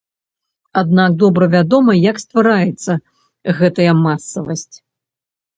Аднак добра вядома як ствараецца гэтая масавасць.